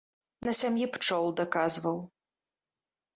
На сям'і пчол даказваў.